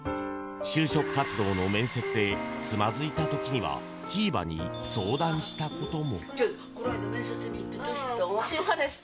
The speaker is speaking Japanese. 就職活動の面接でつまずいた時にはひーばに相談したことも。